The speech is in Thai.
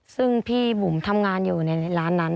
ซึ่งพี่บุ๋มทำงานอยู่ในร้านนั้น